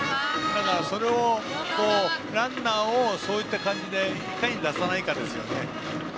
それをランナーをそういった感じでいかに出さないかですね。